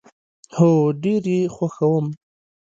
هو، ډیر یي خوښوم